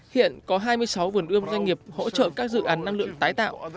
hiện có hai mươi sáu vườn ươm doanh nghiệp hỗ trợ các dự án năng lượng tái tạo